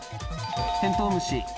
テントウムシ。